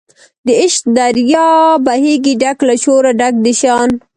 د عشق دریاب بهیږي ډک له شوره ډک د شان